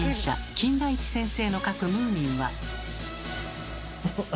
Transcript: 金田一先生の描くムーミンは。